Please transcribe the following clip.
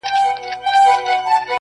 په کور کلي کي ماتم وو هنګامه وه!!